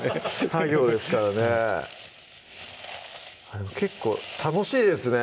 作業ですからねでも結構楽しいですね